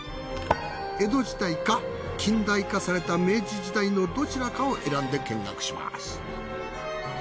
江戸時代か近代化された明治時代のどちらかを選んで見学します。